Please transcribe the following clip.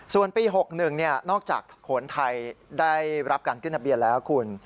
ส่วนปี๖๑นอกจากโขนไทยได้รับการขึ้นทะเบียนแล้วคุณ